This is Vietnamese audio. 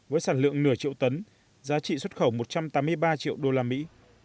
với sản lượng nửa triệu tấn giá trị xuất khẩu một trăm tám mươi ba triệu đô la mỹ